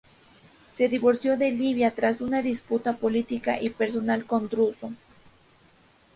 Se divorció de Livia tras una disputa política y personal con Druso.